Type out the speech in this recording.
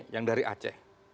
yang dari aceh